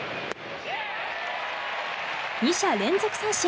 ２者連続三振。